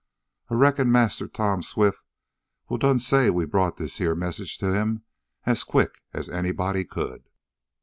Ah reckon Massa Tom Swift will done say we brought dis yeah message t' him as quick as anybody could."